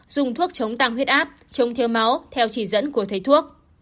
dùng thuốc chống tăng huyết áp chống thiếu máu theo chỉ dẫn của thầy thuốc